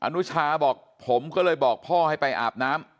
อนุชาบอกผมก็เลยบอกพ่อให้ไปอาบน้ำ